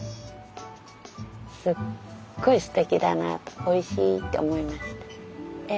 すっごいステキだなおいしいって思いました。